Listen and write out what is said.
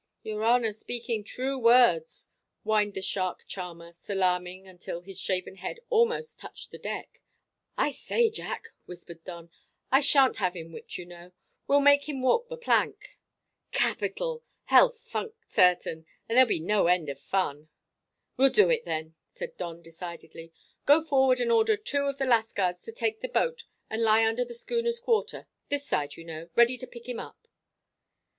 "Your honour speaking true words." whined the shark charmer, salaaming until his shaven head almost touched the deck; "I same rascal." "I say, Jack," whispered Don, "I shan't have him whipped, you know. We'll, make him walk the plank." "Capital! Hell funk, certain, and there'll be no end of fun." "Well do it, then," said Don decidedly. "Go forward and order two of the lascars to take the boat and lie under the schooner's quarter this side, you know ready to pick him up."